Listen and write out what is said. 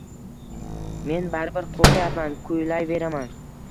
Men baribir qurqmay kuylayveraman